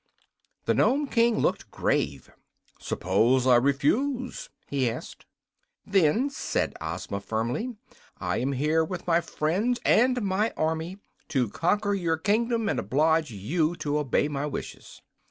The Nome King looked grave. "Suppose I refuse?" he asked. "Then," said Ozma, firmly, "I am here with my friends and my army to conquer your kingdom and oblige you to obey my wishes."